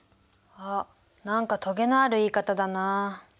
あっ何かトゲのある言い方だなあ。